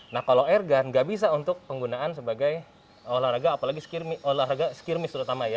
nah kalau airgun nggak bisa untuk penggunaan sebagai olahraga apalagi olahraga skirmis terutama ya